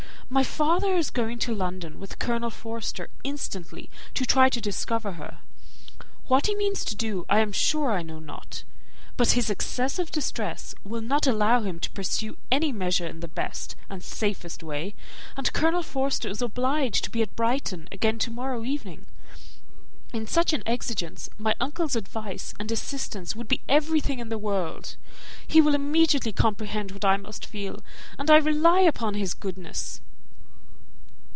My father is going to London with Colonel Forster instantly, to try to discover her. What he means to do, I am sure I know not; but his excessive distress will not allow him to pursue any measure in the best and safest way, and Colonel Forster is obliged to be at Brighton again to morrow evening. In such an exigence my uncle's advice and assistance would be everything in the world; he will immediately comprehend what I must feel, and I rely upon his goodness."